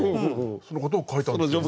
そのことを書いたんですけど。